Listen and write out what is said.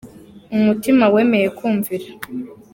Umutima wemeye kumvira